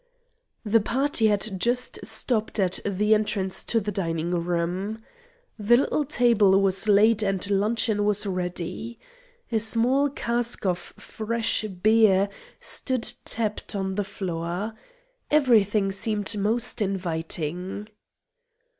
The party had just stopped at the entrance to the dining room. The little table was laid and luncheon was ready. A small cask of fresh beer stood tapped on the floor. Everything seemed most inviting.